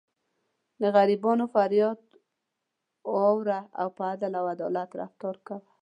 د غریبانو فریاد اوره او په عدل او انصاف رفتار کوه.